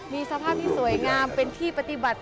มีสภาพที่สวยงามเป็นที่ปฏิบัติ